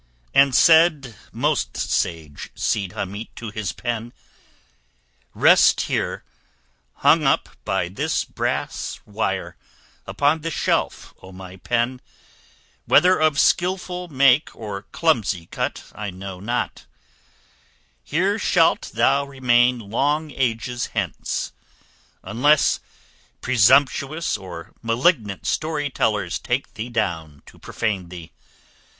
And said most sage Cide Hamete to his pen, "Rest here, hung up by this brass wire, upon this shelf, O my pen, whether of skilful make or clumsy cut I know not; here shalt thou remain long ages hence, unless presumptuous or malignant story tellers take thee down to profane thee.